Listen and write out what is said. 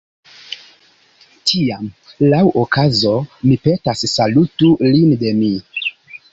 Tiam, laŭ okazo, mi petas, salutu lin de mi.